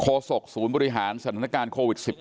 ศกศูนย์บริหารสถานการณ์โควิด๑๙